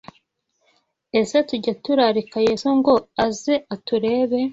Ese tujya turarika Yesu ngo aze ature